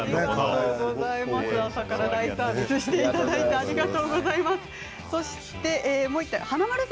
朝から大サービスしていただいてありがとうございます。